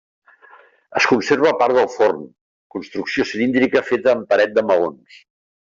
Es conserva part del forn, construcció cilíndrica feta amb paret de maons.